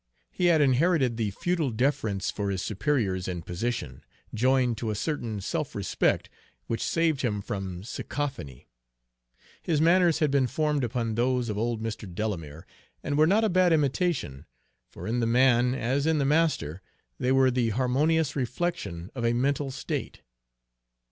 He had inherited the feudal deference for his superiors in position, joined to a certain self respect which saved him from sycophancy. His manners had been formed upon those of old Mr. Delamere, and were not a bad imitation; for in the man, as in the master, they were the harmonious reflection of a mental state.